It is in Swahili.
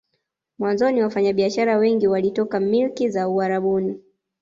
Mwanzoni wafanya biashara wengi walitoka milki za Uarabuni